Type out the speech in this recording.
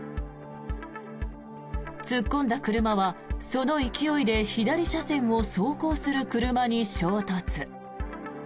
突っ込んだ車は、その勢いで左車線を走行する車に衝突。